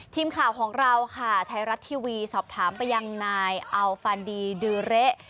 ทีมข่าวของเราค่ะไทยรัฐทีวีสอบถามไปยังนายอัลฟันดีดื้อเละ